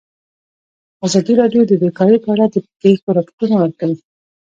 ازادي راډیو د بیکاري په اړه د پېښو رپوټونه ورکړي.